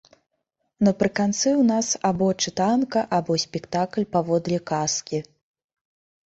Напрыканцы ў нас або чытанка, або спектакль паводле казкі.